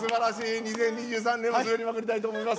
２０２３年もすべりまくりたいと思います。